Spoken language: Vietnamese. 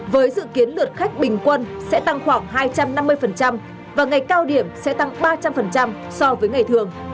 với dự kiến lượt khách bình quân sẽ tăng khoảng hai trăm năm mươi và ngày cao điểm sẽ tăng ba trăm linh so với ngày thường